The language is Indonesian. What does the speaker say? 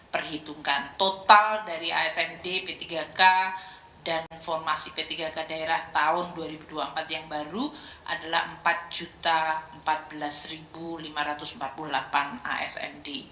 perhitungkan total dari asmd p tiga k dan formasi p tiga k daerah tahun dua ribu dua puluh empat yang baru adalah empat empat belas lima ratus empat puluh delapan asmd